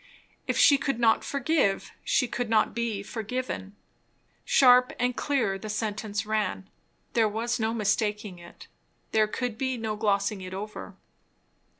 If she could not forgive, she could not be forgiven; sharp and clear the sentence ran; there was no mistaking it, there could be no glossing it over.